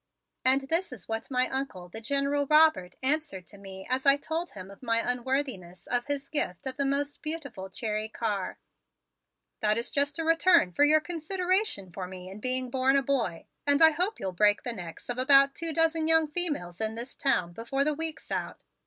And this is what my Uncle, the General Robert, answered to me as I told him of my unworthiness of his gift of the most beautiful cherry car: "That is a just return for your consideration for me in being born a boy, and I hope you'll break the necks of about two dozen young females in this town before the week's out.